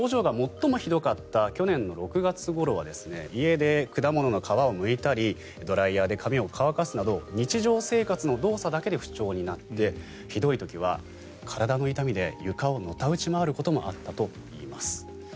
症状が最もひどかった去年の６月ごろは家で果物の皮をむいたりドライヤーで髪を乾かすなど日常生活の動作だけで不調になってひどい時は体の痛みで床をのた打ち回ることもあったといいます。